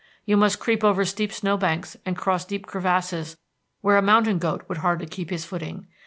You must creep over steep snow banks and cross deep crevasses where a mountain goat would hardly keep his footing.